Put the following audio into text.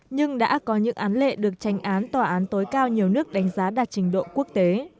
nhưng đã có những án lệ được tranh án tòa án tối cao nhiều nước đánh giá đạt trình độ quốc tế